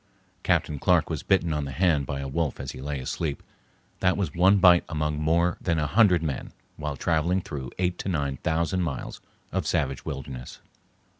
Captain Clark was bitten on the hand by a wolf as he lay asleep; that was one bite among more than a hundred men while traveling through eight to nine thousand miles of savage wilderness.